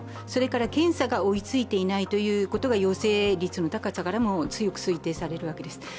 それから検査が追いついていないということが陽性率の高さからも強く推定されるわけです。